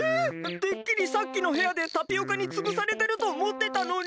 てっきりさっきのへやでタピオカにつぶされてるとおもってたのに！